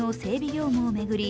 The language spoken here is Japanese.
業務を巡り